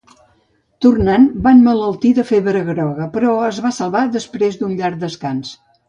Tornant va emmalaltir de febre groga, però es va salvar després d’un llarg descans.